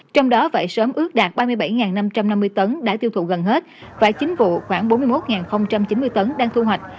trong đó vải sớm ước đạt ba mươi bảy năm trăm năm mươi tấn đã tiêu thụ gần hết và chính vụ khoảng bốn mươi một chín mươi tấn đang thu hoạch